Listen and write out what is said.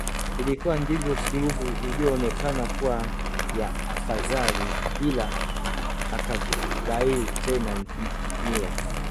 Ikawa ndiyo suluhu iliyoonekana kuwa ya afadhali ila akaghairi tena nia